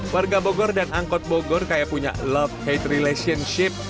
warga bogor dan angkot bogor kayak punya love hate relationship